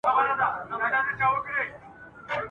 شمس الدینه ډېر بې قدره قندهار دی شمس الدین کاکړ !.